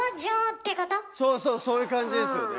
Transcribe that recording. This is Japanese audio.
そうそうそういう感じですよね。